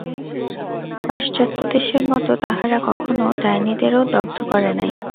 পাশ্চাত্যদেশের মত তাহারা কখনও ডাইনীদেরও দগ্ধ করে নাই।